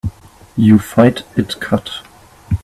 You fight it cut.